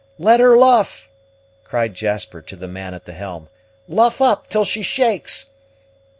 "Let her luff," cried Jasper to the man at the helm. "Luff up, till she shakes.